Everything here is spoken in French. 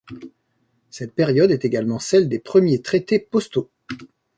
Cette période est également celle des premiers traités postaux.